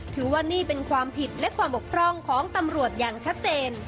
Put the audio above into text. ถือว่านี่เป็นความผิดและความบกพร่องของตำรวจอย่างชัดเจน